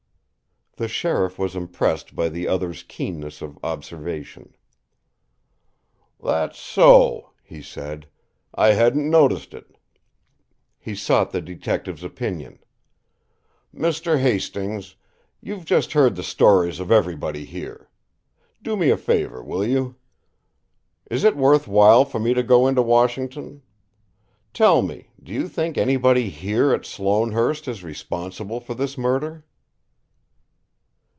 The sheriff was impressed by the other's keenness of observation. "That's so," he said. "I hadn't noticed it." He sought the detective's opinion. "Mr. Hastings, you've just heard the stories of everybody here. Do me a favour, will you? Is it worth while for me to go into Washington? Tell me: do you think anybody here at Sloanehurst is responsible for this murder?"